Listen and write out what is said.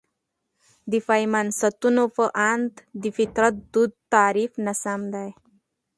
د فيمنستانو په اند: ''...د فطرت دود تعريف ناسم دى.